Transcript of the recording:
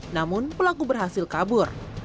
namun pelaku berhasil kabur